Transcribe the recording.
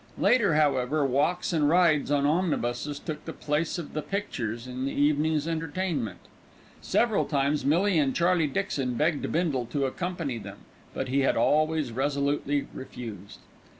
Later, however, walks and rides on omnibuses took the place of "the pictures" in the evening's entertainment. Several times Millie and Charlie Dixon begged Bindle to accompany them, but he had always resolutely refused.